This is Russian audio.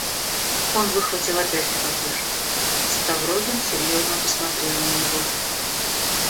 Он выхватил опять револьвер; Ставрогин серьезно посмотрел на него.